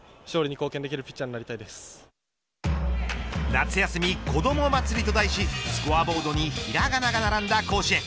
夏休み子ども祭りと題しスコアボードにひらがなが並んだ甲子園。